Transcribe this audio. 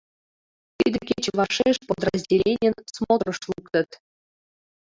Тиде кече вашеш подразделенийын смотрыш луктыт.